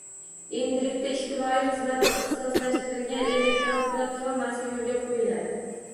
Endilikda “Ijtimoiy xizmat” ixtisoslashtirilgan elektron platformasi yoʻlga qoʻyiladi.